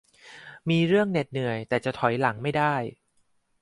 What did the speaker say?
มีเรื่องเหน็ดเหนื่อยแต่จะถอยหลังไม่ได้